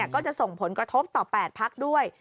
ก็จะส่งผลกระทบต่อ๘พักด้วย